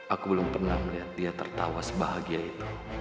aku belum pernah melihat dia tertawa sebahagia itu